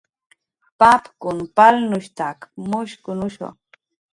Papkun palnushstak mushkunushu